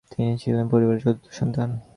তিনি ছিলেন পরিবারের চতুর্থ সন্তান।